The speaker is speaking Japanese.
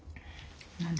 何で？